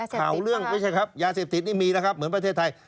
ยาเสพติดป่ะครับยาเสพติดนี่มีนะครับเหมือนประเทศไทย